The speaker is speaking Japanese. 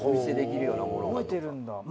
覚えてるんだ。